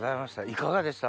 いかがでした？